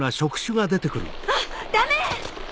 あっダメ！